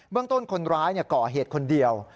เรื่องต้นคนร้ายก่อเหตุคนเดียว